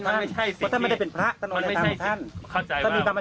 เพราะว่ามันเป็นสิ่งวิเศษแล้วต้องเข้าใจเป็นคนธรรมดา